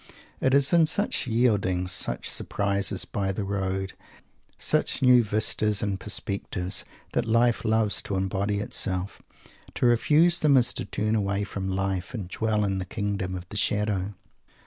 It is in such yieldings, such surprises by the road, such new vistas and perspectives, that life loves to embody itself. To refuse them is to turn away from Life and dwell in the kingdom of the shadow.